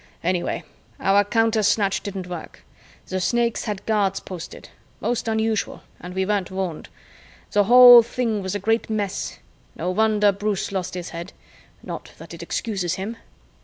Anyway, our counter snatch didn't work. The Snakes had guards posted most unusual and we weren't warned. The whole thing was a great mess. No wonder Bruce lost his head not that it excuses him."